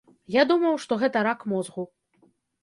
Я думаў, што гэта рак мозгу.